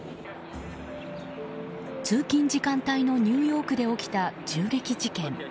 通勤時間帯のニューヨークで起きた銃撃事件。